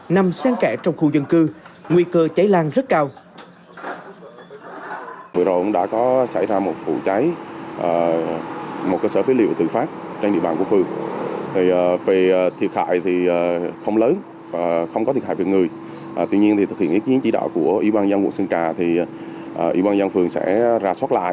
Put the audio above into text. nằm sáng kẽ trong khu dân cư nguy cơ cháy lan rất cao